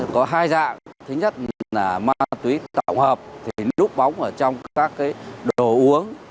có hai dạng thứ nhất là ma túy tổng hợp thì núp bóng ở trong các cái đồ uống